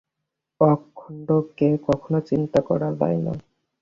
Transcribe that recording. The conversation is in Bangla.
অখণ্ডকে কখনও চিন্তা করা যায় না।